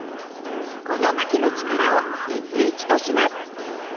この向きの力をＦとします。